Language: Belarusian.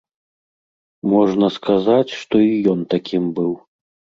Можна сказаць, што і ён такім быў.